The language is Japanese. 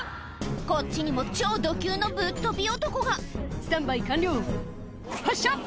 こっちにも超ド級のぶっ飛び男が「スタンバイ完了」「発射！」